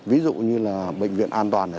ví dụ như là bệnh viện an toàn này